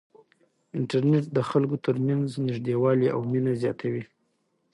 انټرنیټ د خلکو ترمنځ نږدېوالی او مینه زیاتوي.